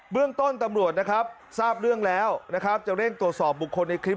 เรื่องต้นตำรวจนะครับทราบเรื่องแล้วนะครับจะเร่งตรวจสอบบุคคลในคลิป